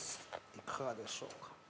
いかがでしょうか？